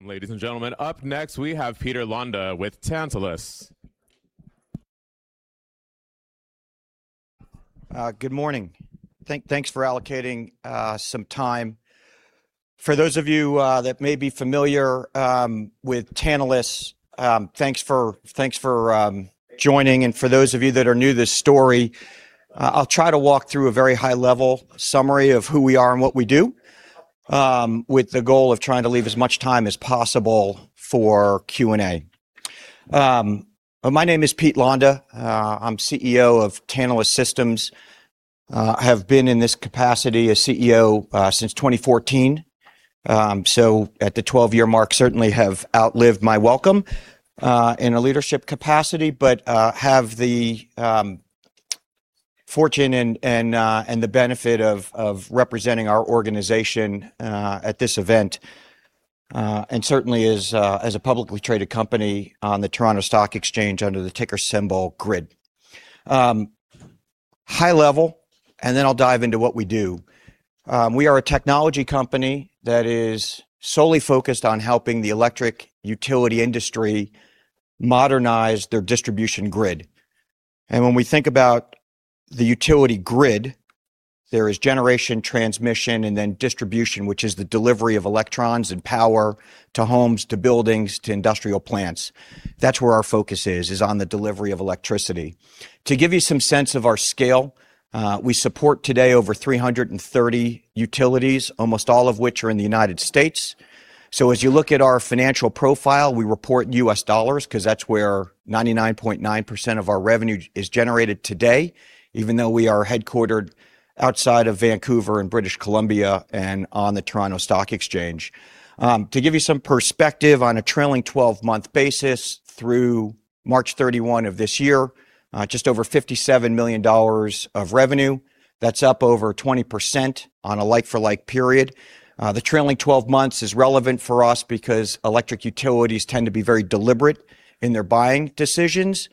Ladies and gentlemen, up next, we have Peter Londa with Tantalus. Good morning. Thanks for allocating some time. For those of you that may be familiar with Tantalus, thanks for joining. For those of you that are new to this story, I'll try to walk through a very high-level summary of who we are and what we do, with the goal of trying to leave as much time as possible for Q&A. My name is Peter Londa. I'm CEO of Tantalus Systems. I have been in this capacity as CEO since 2014. At the 12-year mark, certainly have outlived my welcome in a leadership capacity, but have the fortune and the benefit of representing our organization at this event. Certainly as a publicly traded company on the Toronto Stock Exchange under the ticker symbol GRID. High level, I'll dive into what we do. We are a technology company that is solely focused on helping the electric utility industry modernize their distribution GRID. When we think about the utility GRID, there is generation, transmission, then distribution, which is the delivery of electrons and power to homes, to buildings, to industrial plants. That's where our focus is on the delivery of electricity. To give you some sense of our scale, we support today over 330 utilities, almost all of which are in the U.S. As you look at our financial profile, we report U.S. dollars because that's where 99.9% of our revenue is generated today, even though we are headquartered outside of Vancouver in British Columbia and on the Toronto Stock Exchange. To give you some perspective, on a trailing 12-month basis through March 31 of this year, just over $57 million of revenue. That's up over 20% on a like-for-like period. The trailing 12 months is relevant for us because electric utilities tend to be very deliberate in their buying decisions.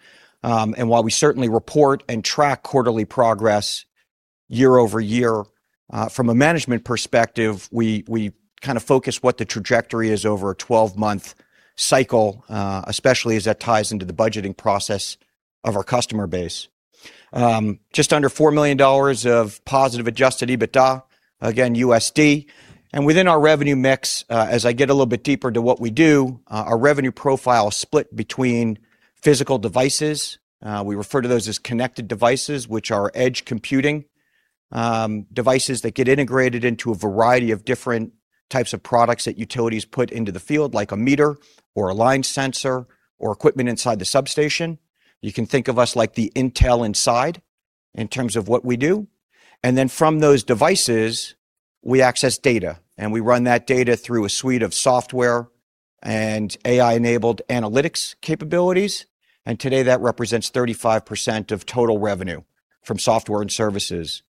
While we certainly report and track quarterly progress year-over-year, from a management perspective, we kind of focus what the trajectory is over a 12-month cycle, especially as that ties into the budgeting process of our customer base. Just under $4 million of positive adjusted EBITDA, again, USD. Within our revenue mix, as I get a little bit deeper to what we do, our revenue profile is split between physical devices. We refer to those as connected devices, which are edge computing devices that get integrated into a variety of different types of products that utilities put into the field, like a meter or a line sensor or equipment inside the substation. You can think of us like the intel inside in terms of what we do. From those devices, we access data, and we run that data through a suite of software and AI-enabled analytics capabilities. Today, that represents 35% of total revenue from software and services.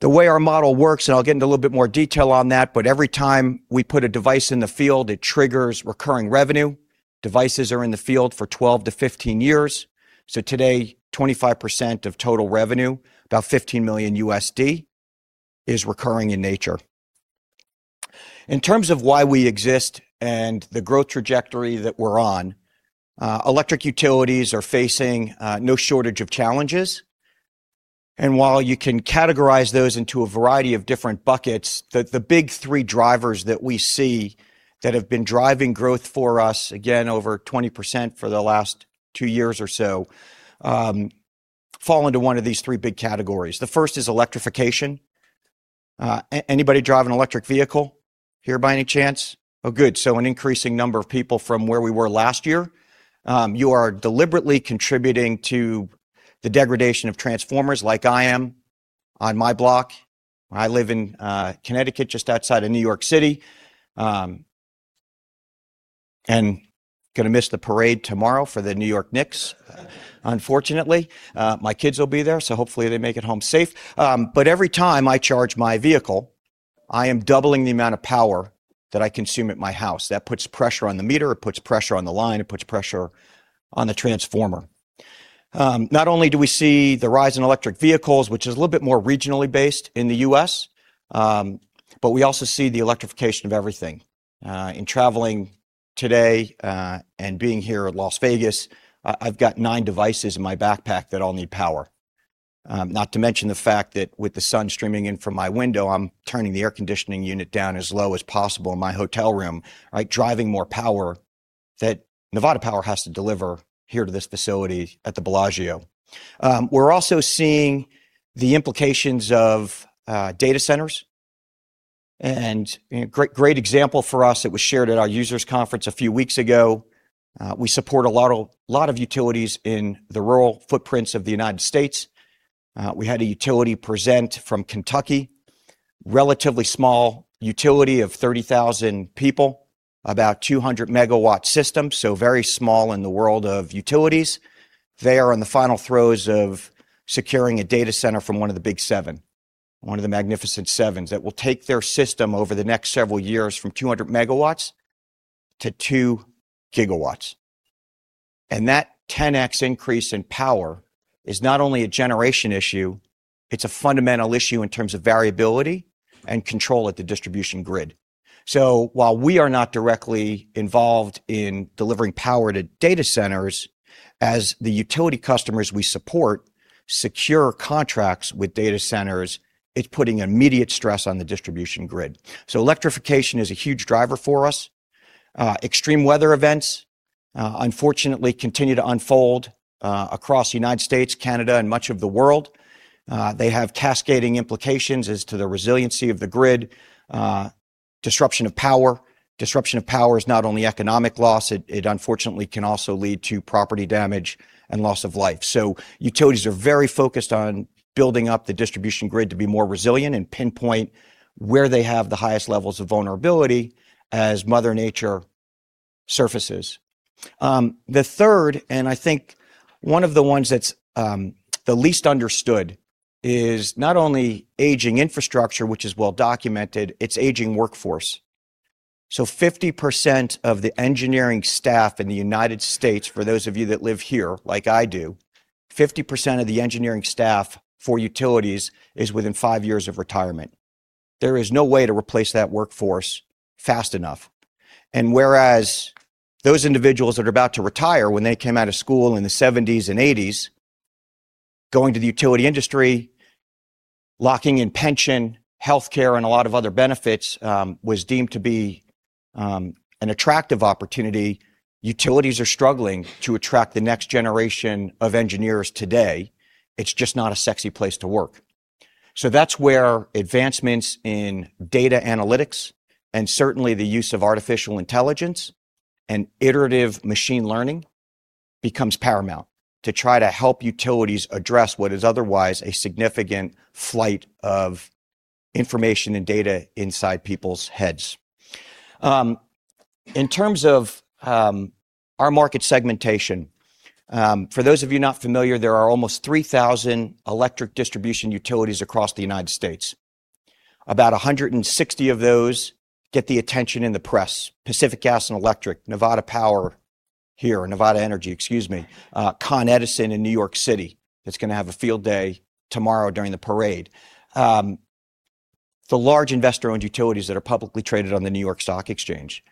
The way our model works, and I'll get into a little bit more detail on that, every time we put a device in the field, it triggers recurring revenue. Devices are in the field for 12-15 years. Today, 25% of total revenue, about $15 million, is recurring in nature. In terms of why we exist and the growth trajectory that we're on, electric utilities are facing no shortage of challenges. While you can categorize those into a variety of different buckets, the big three drivers that we see that have been driving growth for us, again, over 20% for the last two years or so, fall into one of these three big categories. The first is electrification. Anybody drive an electric vehicle here by any chance? Oh, good. An increasing number of people from where we were last year. You are deliberately contributing to the degradation of transformers like I am on my block. I live in Connecticut, just outside of New York City. Going to miss the parade tomorrow for the New York Knicks, unfortunately. My kids will be there, hopefully they make it home safe. Every time I charge my vehicle, I am doubling the amount of power that I consume at my house. That puts pressure on the meter. It puts pressure on the line. It puts pressure on the transformer. Not only do we see the rise in electric vehicles, which is a little bit more regionally based in the U.S., we also see the electrification of everything. In traveling today, and being here at Las Vegas, I've got nine devices in my backpack that all need power. Not to mention the fact that with the sun streaming in from my window, I'm turning the air conditioning unit down as low as possible in my hotel room, right, driving more power that NV Energy has to deliver here to this facility at the Bellagio. We're also seeing the implications of data centers. Great example for us that was shared at our users conference a few weeks ago. We support a lot of utilities in the rural footprints of the United States. We had a utility present from Kentucky, relatively small utility of 30,000 people, about 200-megawatt system, very small in the world of utilities. They are in the final throes of securing a data center from one of the big seven, one of the magnificent sevens, that will take their system over the next several years from 200 megawatts to two gigawatts. That 10X increase in power is not only a generation issue, it's a fundamental issue in terms of variability and control at the distribution GRID. While we are not directly involved in delivering power to data centers, as the utility customers we support secure contracts with data centers, it's putting immediate stress on the distribution GRID. Electrification is a huge driver for us. Extreme weather events, unfortunately, continue to unfold across the United States, Canada, and much of the world. They have cascading implications as to the resiliency of the GRID. Disruption of power is not only economic loss, it unfortunately can also lead to property damage and loss of life. Utilities are very focused on building up the distribution GRID to be more resilient and pinpoint where they have the highest levels of vulnerability as mother nature surfaces. The third, and I think one of the ones that's the least understood, is not only aging infrastructure, which is well documented, it's aging workforce. 50% of the engineering staff in the U.S., for those of you that live here like I do, 50% of the engineering staff for utilities is within five years of retirement. There is no way to replace that workforce fast enough. Whereas those individuals that are about to retire, when they came out of school in the 1970s and 1980s, going to the utility industry, locking in pension, healthcare, and a lot of other benefits, was deemed to be an attractive opportunity. Utilities are struggling to attract the next generation of engineers today. It's just not a sexy place to work. So that's where advancements in data analytics and certainly the use of artificial intelligence and iterative machine learning becomes paramount to try to help utilities address what is otherwise a significant flight of information and data inside people's heads. In terms of our market segmentation, for those of you not familiar, there are almost 3,000 electric distribution utilities across the U.S. About 160 of those get the attention in the press. Pacific Gas and Electric Company, NV Energy, excuse me. Con Edison in New York City, that's going to have a field day tomorrow during the parade. The large Investor-Owned Utilities that are publicly traded on the New York Stock Exchange.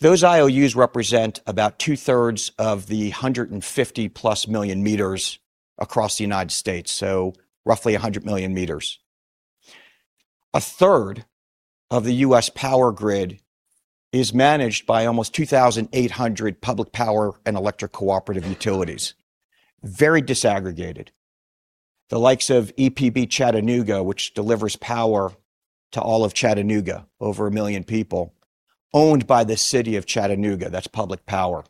Those IOUs represent about two-thirds of the 150-plus million meters across the U.S., so roughly 100 million meters. A third of the U.S. power GRID is managed by almost 2,800 public power and electric cooperative utilities. Very disaggregated. The likes of EPB of Chattanooga, which delivers power to all of Chattanooga, over 1 million people, owned by the city of Chattanooga. That's public power.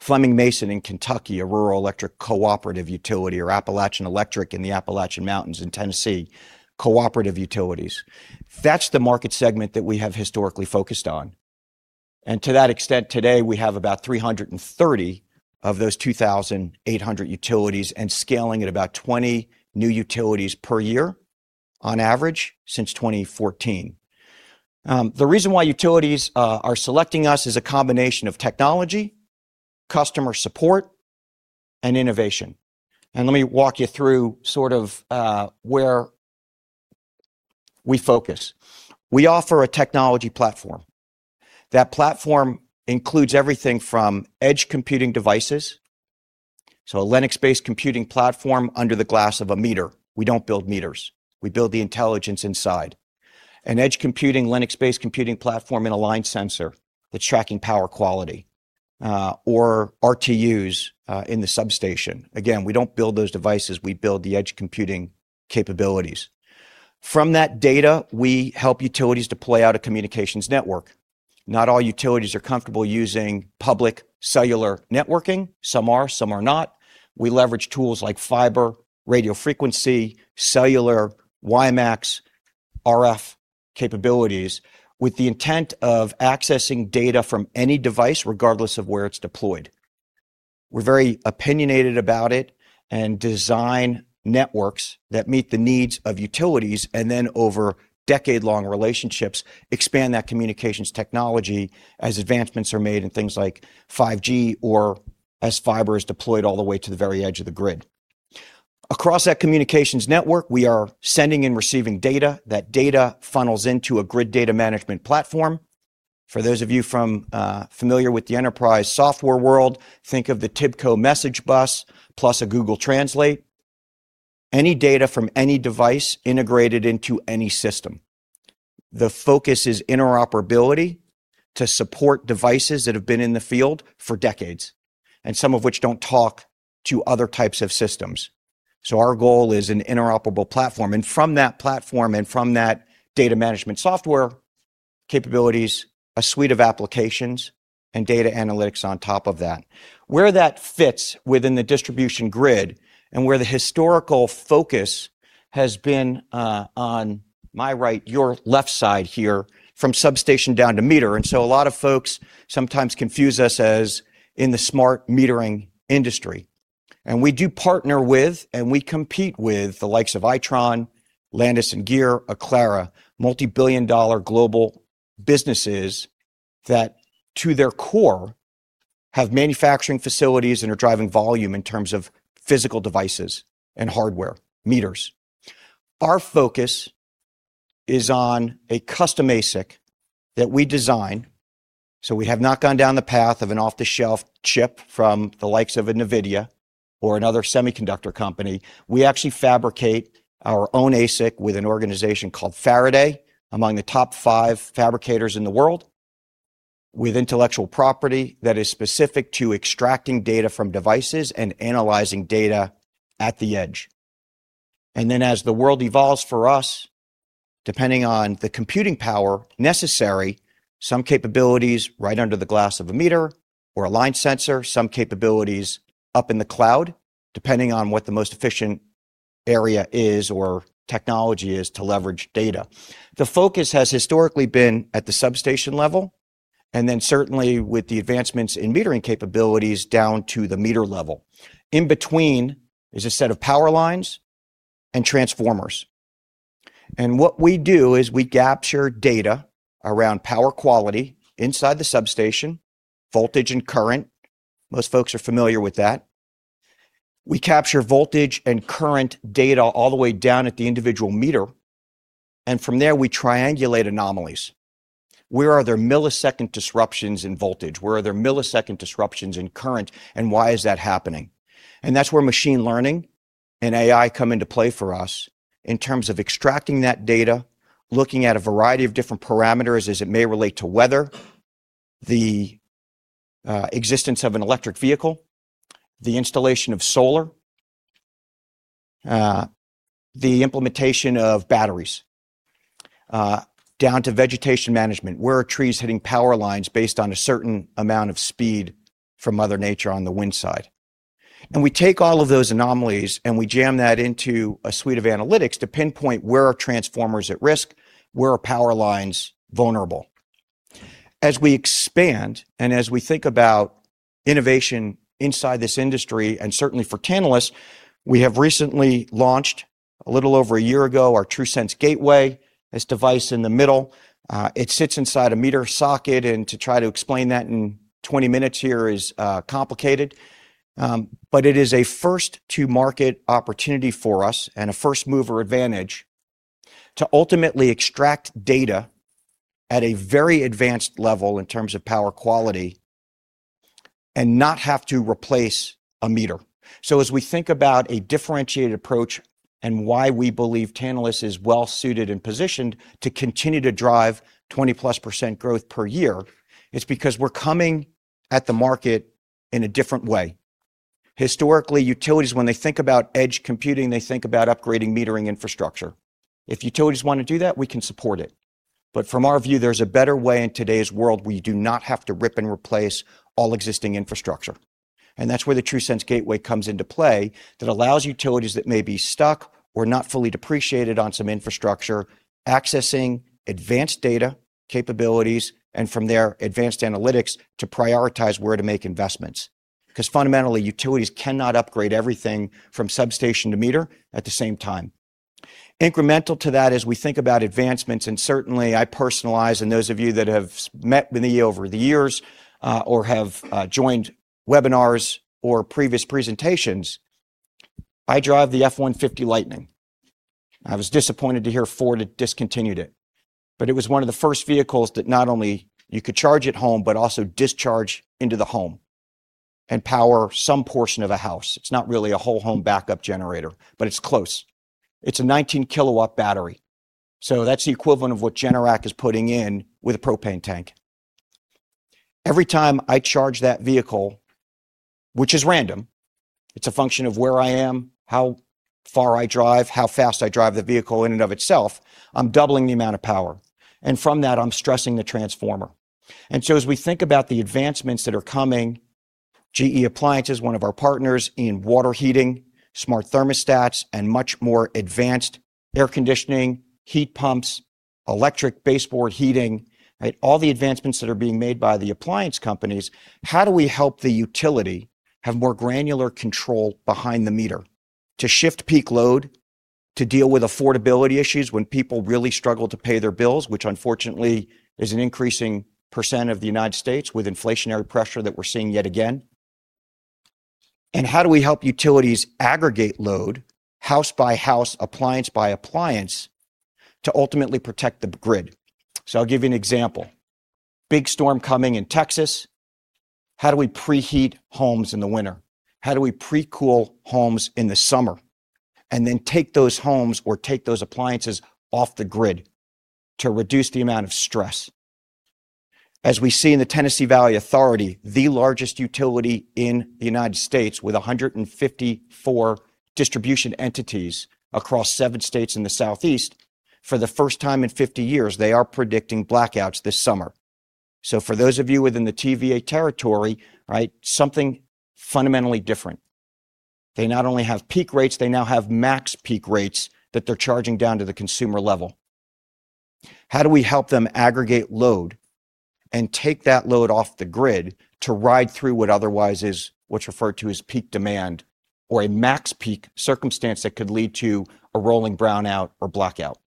Fleming-Mason Energy in Kentucky, a rural electric cooperative utility, or Appalachian Electric Cooperative in the Appalachian Mountains in Tennessee, cooperative utilities. That's the market segment that we have historically focused on. To that extent today, we have about 330 of those 2,800 utilities and scaling at about 20 new utilities per year on average since 2014. The reason why utilities are selecting us is a combination of technology, customer support, and innovation. Let me walk you through sort of where we focus. We offer a technology platform. That platform includes everything from edge computing devices, so a Linux-based computing platform under the glass of a meter. We don't build meters. We build the intelligence inside. An edge computing Linux-based computing platform and a line sensor that's tracking power quality, or RTUs in the substation. Again, we don't build those devices. We build the edge computing capabilities. From that data, we help utilities deploy out a communications network. Not all utilities are comfortable using public cellular networking. Some are, some are not. We leverage tools like fiber, radio frequency, cellular, WiMAX, RF capabilities with the intent of accessing data from any device, regardless of where it's deployed. We're very opinionated about it and design networks that meet the needs of utilities and then over decade-long relationships, expand that communications technology as advancements are made in things like 5G or as fiber is deployed all the way to the very edge of the grid. Across that communications network, we are sending and receiving data. That data funnels into a grid data management platform. For those of you familiar with the enterprise software world, think of the TIBCO Message Bus plus a Google Translate. Any data from any device integrated into any system. The focus is interoperability to support devices that have been in the field for decades, and some of which don't talk to other types of systems. Our goal is an interoperable platform. From that platform and from that data management software capabilities, a suite of applications and data analytics on top of that. Where that fits within the distribution grid and where the historical focus has been, on my right, your left side here, from substation down to meter. A lot of folks sometimes confuse us as in the smart metering industry. We do partner with, and we compete with, the likes of Itron, Landis+Gyr, Aclara, multibillion-dollar global businesses that, to their core, have manufacturing facilities and are driving volume in terms of physical devices and hardware, meters. Our focus is on a custom ASIC that we design. We have not gone down the path of an off-the-shelf chip from the likes of a NVIDIA or another semiconductor company. We actually fabricate our own ASIC with an organization called Faraday, among the top five fabricators in the world, with intellectual property that is specific to extracting data from devices and analyzing data at the edge. As the world evolves for us, depending on the computing power necessary, some capabilities right under the glass of a meter or a line sensor, some capabilities up in the cloud, depending on what the most efficient area is or technology is to leverage data. The focus has historically been at the substation level, and then certainly with the advancements in metering capabilities, down to the meter level. In between is a set of power lines and transformers. What we do is we capture data around power quality inside the substation, voltage and current. Most folks are familiar with that. We capture voltage and current data all the way down at the individual meter. From there we triangulate anomalies. Where are there millisecond disruptions in voltage? Where are there millisecond disruptions in current, and why is that happening? That's where machine learning and AI come into play for us in terms of extracting that data, looking at a variety of different parameters as it may relate to weather, the existence of an electric vehicle, the installation of solar, the implementation of batteries, down to vegetation management. Where are trees hitting power lines based on a certain amount of speed from mother nature on the wind side? We take all of those anomalies, and we jam that into a suite of analytics to pinpoint where are transformers at risk, where are power lines vulnerable. As we expand and as we think about innovation inside this industry, certainly for Tantalus, we have recently launched, a little over a year ago, our TRUSense Gateway, this device in the middle. It sits inside a meter socket. To try to explain that in 20 minutes here is complicated. It is a first-to-market opportunity for us, a first-mover advantage to ultimately extract data at a very advanced level in terms of power quality and not have to replace a meter. As we think about a differentiated approach and why we believe Tantalus is well suited and positioned to continue to drive 20+% growth per year, it's because we're coming at the market in a different way. Historically, utilities, when they think about edge computing, they think about upgrading metering infrastructure. If utilities want to do that, we can support it. From our view, there's a better way in today's world where you do not have to rip and replace all existing infrastructure. That's where the TRUSense Gateway comes into play, that allows utilities that may be stuck or not fully depreciated on some infrastructure, accessing advanced data capabilities, from there, advanced analytics to prioritize where to make investments. Fundamentally, utilities cannot upgrade everything from substation to meter at the same time. Incremental to that as we think about advancements, certainly I personalize, those of you that have met me over the years, or have joined webinars or previous presentations, I drive the F-150 Lightning. I was disappointed to hear Ford had discontinued it. It was one of the first vehicles that not only you could charge at home, but also discharge into the home and power some portion of a house. It's not really a whole home backup generator, but it's close. It's a 19-kilowatt battery. That's the equivalent of what Generac is putting in with a propane tank. Every time I charge that vehicle, which is random, it's a function of where I am, how far I drive, how fast I drive the vehicle in and of itself, I'm doubling the amount of power, from that, I'm stressing the transformer. As we think about the advancements that are coming, GE Appliances, one of our partners in water heating, smart thermostats, much more advanced air conditioning, heat pumps, electric baseboard heating, all the advancements that are being made by the appliance companies, how do we help the utility have more granular control behind the meter to shift peak load, to deal with affordability issues when people really struggle to pay their bills, which unfortunately is an increasing percent of the U.S. with inflationary pressure that we're seeing yet again? How do we help utilities aggregate load house by house, appliance by appliance to ultimately protect the grid? I'll give you an example. Big storm coming in Texas. How do we pre-heat homes in the winter? How do we pre-cool homes in the summer and then take those homes or take those appliances off the GRID to reduce the amount of stress? As we see in the Tennessee Valley Authority, the largest utility in the United States with 154 distribution entities across seven states in the Southeast, for the first time in 50 years, they are predicting blackouts this summer. For those of you within the TVA territory, something fundamentally different. They not only have peak rates, they now have max peak rates that they're charging down to the consumer level. How do we help them aggregate load and take that load off the GRID to ride through what otherwise is what's referred to as peak demand or a max peak circumstance that could lead to a rolling brownout or blackout?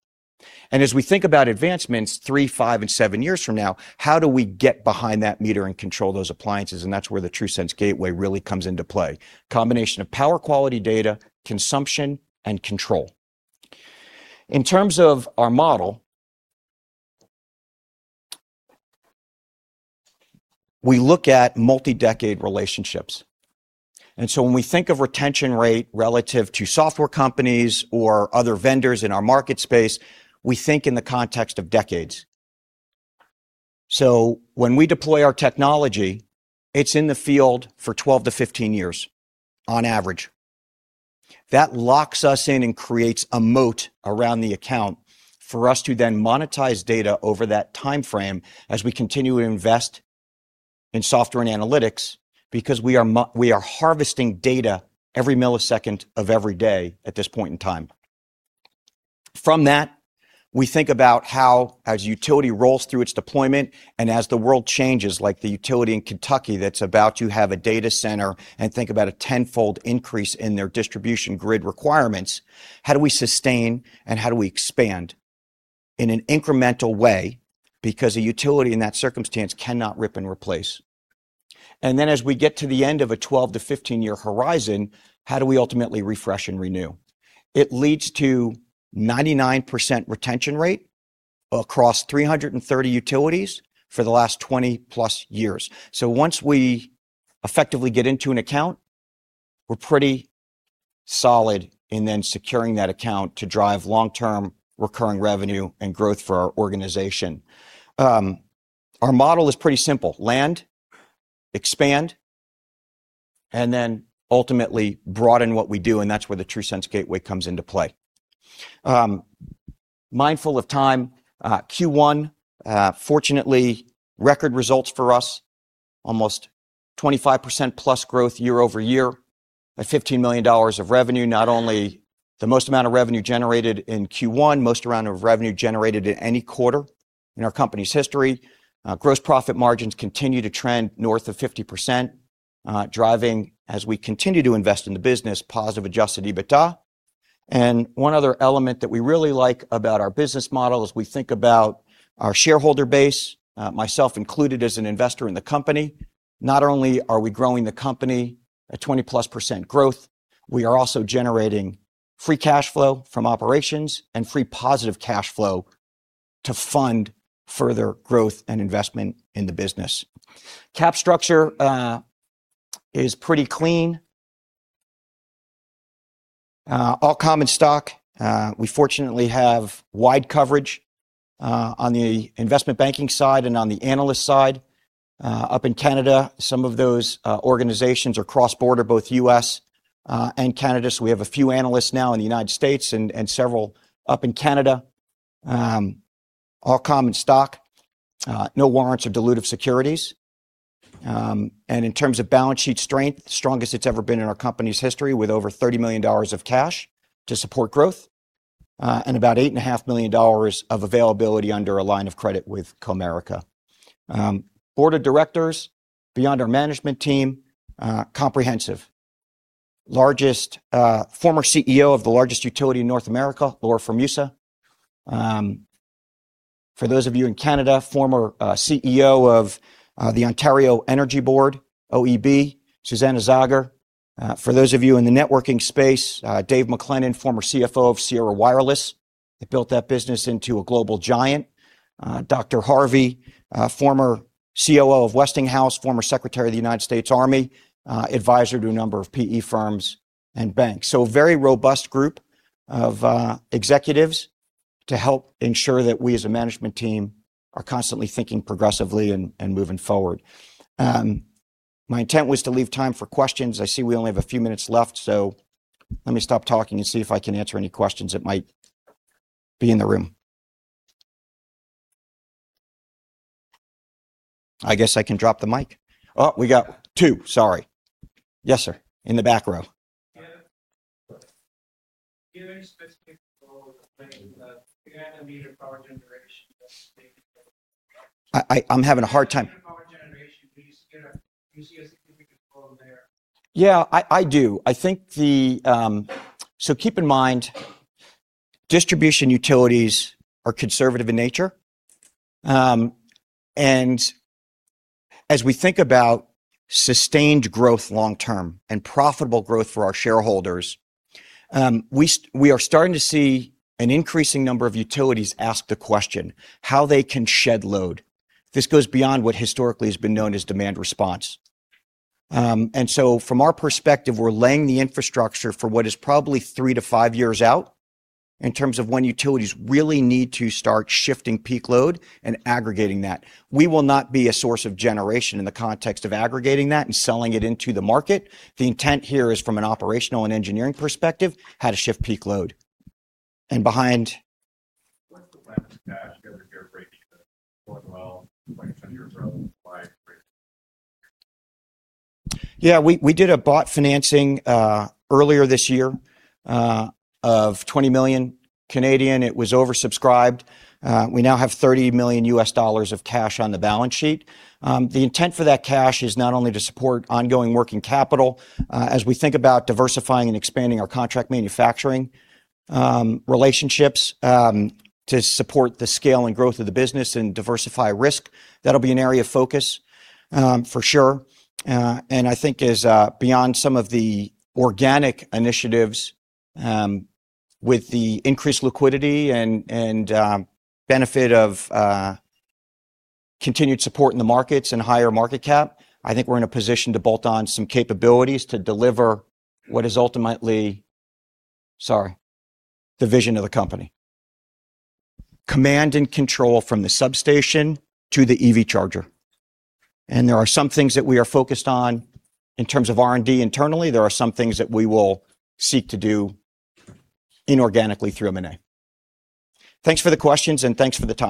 As we think about advancements three, five, and seven years from now, how do we get behind that meter and control those appliances? That's where the TRUSense Gateway really comes into play. Combination of power quality data, consumption, and control. In terms of our model, we look at multi-decade relationships. When we think of retention rate relative to software companies or other vendors in our market space, we think in the context of decades. When we deploy our technology, it's in the field for 12-15 years on average. That locks us in and creates a moat around the account for us to then monetize data over that timeframe as we continue to invest in software and analytics, because we are harvesting data every millisecond of every day at this point in time. From that, we think about how as utility rolls through its deployment, as the world changes, like the utility in Kentucky that's about to have a data center and think about a tenfold increase in their distribution GRID requirements, how do we sustain and how do we expand in an incremental way? Because a utility in that circumstance cannot rip and replace. Then as we get to the end of a 12-`15-year horizon, how do we ultimately refresh and renew? It leads to 99% retention rate across 330 utilities for the last 20-plus years. Once we effectively get into an account, we're pretty solid in then securing that account to drive long-term recurring revenue and growth for our organization. Our model is pretty simple. Land, expand, and then ultimately broaden what we do, and that's where the TRUSense Gateway comes into play. Mindful of time, Q1, fortunately, record results for us, almost 25%-plus growth year-over-year at $15 million of revenue. Not only the most amount of revenue generated in Q1, most amount of revenue generated at any quarter in our company's history. Gross profit margins continue to trend north of 50%, driving as we continue to invest in the business, positive adjusted EBITDA. One other element that we really like about our business model as we think about our shareholder base, myself included as an investor in the company, not only are we growing the company at 20%-plus growth, we are also generating free cash flow from operations and free positive cash flow to fund further growth and investment in the business. Cap structure is pretty clean. All common stock. We fortunately have wide coverage on the investment banking side and on the analyst side. In Canada, some of those organizations are cross-border, both U.S. and Canada. We have a few analysts now in the United States and several up in Canada. All common stock. No warrants or dilutive securities. In terms of balance sheet strength, the strongest it's ever been in our company's history, with over 30 million dollars of cash to support growth, and about 8.5 million dollars of availability under a line of credit with Comerica. Board of directors, beyond our management team, comprehensive. Former CEO of the largest utility in North America, Laura Formusa. For those of you in Canada, former CEO of the Ontario Energy Board, OEB, Susanna Zagar. For those of you in the networking space, Dave McLennan, former CFO of Sierra Wireless. They built that business into a global giant. Dr. Harvey, former COO of Westinghouse, former Secretary of the United States Army, advisor to a number of PE firms and banks. Very robust group of executives to help ensure that we as a management team are constantly thinking progressively and moving forward. My intent was to leave time for questions. I see we only have a few minutes left, let me stop talking and see if I can answer any questions that might be in the room. I guess I can drop the mic. Oh, we got two, sorry. Yes, sir. In the back row. Yeah. Do you have any specific goal regarding the meter power generation that's I'm having a hard time- Meter power generation. Do you see a significant role there? Yeah, I do. Keep in mind, distribution utilities are conservative in nature. As we think about sustained growth long term and profitable growth for our shareholders, we are starting to see an increasing number of utilities ask the question, how they can shed load. This goes beyond what historically has been known as demand response. From our perspective, we're laying the infrastructure for what is probably three to five years out in terms of when utilities really need to start shifting peak load and aggregating that. We will not be a source of generation in the context of aggregating that and selling it into the market. The intent here is from an operational and engineering perspective, how to shift peak load. Behind. What's the plan to cash the other year break even as well, like from your growth by Yeah, we did a bought financing earlier this year of 20 million. It was oversubscribed. We now have $30 million of cash on the balance sheet. The intent for that cash is not only to support ongoing working capital. As we think about diversifying and expanding our contract manufacturing relationships to support the scale and growth of the business and diversify risk, that'll be an area of focus for sure. I think as beyond some of the organic initiatives with the increased liquidity and benefit of continued support in the markets and higher market cap, I think we're in a position to bolt on some capabilities to deliver what is ultimately Sorry. The vision of the company. Command and control from the substation to the EV charger. There are some things that we are focused on in terms of R&D internally. There are some things that we will seek to do inorganically through M&A. Thanks for the questions, and thanks for the time.